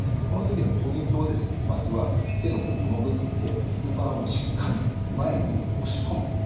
この時のポイントはまずは手のこの部分で骨盤をしっかり前に押し込む。